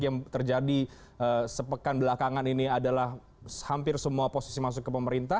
yang terjadi sepekan belakangan ini adalah hampir semua posisi masuk ke pemerintah